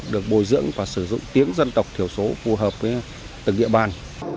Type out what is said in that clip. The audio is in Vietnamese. được bồi dưỡng và sử dụng tiếng dân tộc thiểu số phù hợp với từng địa bàn